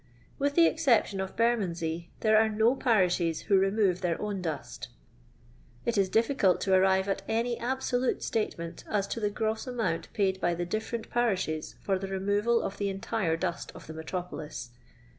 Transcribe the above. With the exception of Bermondsey, there are no pariihet who remore their oirn duat It is difficult to arriTe at any absolute statement as to the gross amount paid by the different parishes for the remoral of the entire dust of the metropolis.